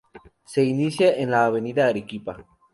Se inicia en la avenida Arequipa.